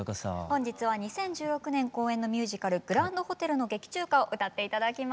本日は２０１６年公演のミュージカル「グランドホテル」の劇中歌を歌って頂きます。